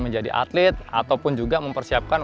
menjadi atlet ataupun juga mempersiapkan